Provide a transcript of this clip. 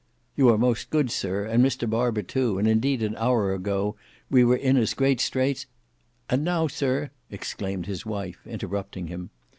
"You are most good, sir, and Mr Barber too, and indeed, an hour ago, we were in as great straits—." "And are now, sir," exclaimed his wife interrupting him.